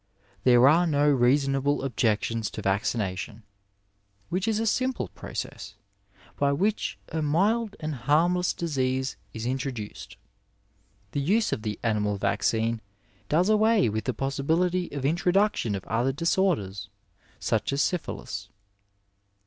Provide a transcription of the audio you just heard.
There are no reasonable objections to vaccination, which is a simple process, by which a mild and harmless disease is introduced. The use of the animal vaccine does away with the possibility of introduction of other disorders, such as syphilis.